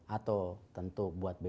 atau tentu buat bumn